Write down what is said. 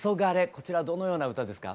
こちらどのような歌ですか？